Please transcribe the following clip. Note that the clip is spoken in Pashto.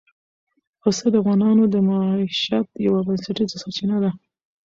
پسه د افغانانو د معیشت یوه بنسټیزه سرچینه ده.